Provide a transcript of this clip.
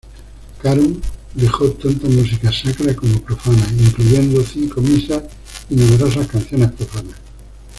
Caron dejó tanto música sacra como profana, incluyendo cinco misas y numerosas canciones profanas.